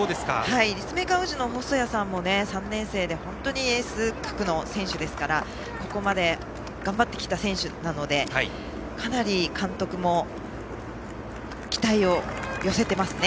立命館宇治の細谷さんも３年生でエース格の選手ですからここまで頑張ってきた選手なのでかなり監督も期待を寄せていますね。